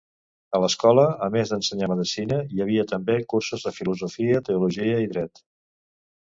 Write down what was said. A l'Escola a més d'ensenyar medicina hi havia també cursos de filosofia, teologia i Dret.